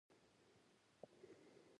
درناوی د ارتباطاتو د سمون لپاره اړین دی.